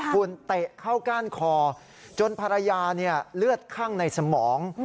คุณเตะเข้าก้านคอจนภรรยาเลือดคั่งในสมอง